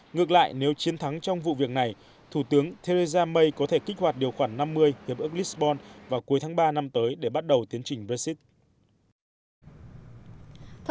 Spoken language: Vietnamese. ngược lại nếu chiến thắng trong vụ việc này thủ tướng theresa may có thể kích hoạt điều khoản năm mươi hiệp ước lisbon vào cuối tháng ba năm tới để bắt đầu tiến trình brexit